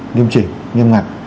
nghiêm trình nghiêm ngặt